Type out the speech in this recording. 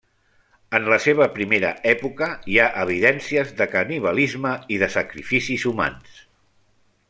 En la seva primera època hi ha evidències de canibalisme i de sacrificis humans.